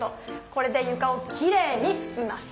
これでゆかをきれいにふきます。